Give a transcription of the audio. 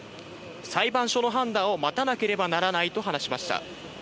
裁判所の判断を待たなければならないと話しました。